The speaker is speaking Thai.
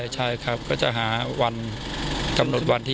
ใช่ครับก็จะหาวันกำหนดวันที่